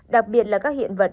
đặc biệt là các hiện vật